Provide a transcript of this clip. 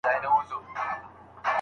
که مطالعه ونه کړې نو پوهه دي نه زیاتېږي.